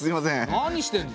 何してんの？